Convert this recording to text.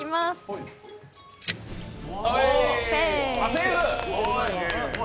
セーフ。